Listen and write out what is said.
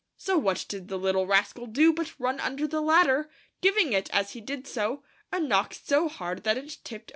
So what did the little rascal do but run under the ladder, giving it, as he did so, a knock so hard that it tipped